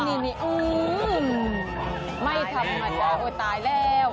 นี่อื้อไม่ทำมากกว่าตายแล้ว